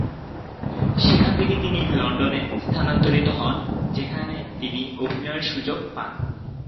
সেখান থেকে তিনি লন্ডনে স্থানান্তরিত হন, যেখানে তিনি অভিনয়ের সুযোগ পান।